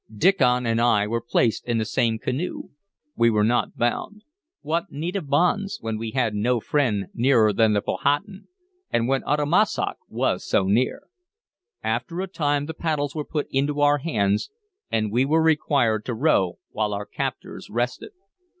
Diccon and I were placed in the same canoe. We were not bound: what need of bonds, when we had no friend nearer than the Powhatan, and when Uttamussac was so near? After a time the paddles were put into our hands, and we were required to row while our captors rested.